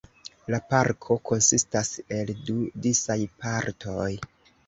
La parko konsistas el du disaj partoj.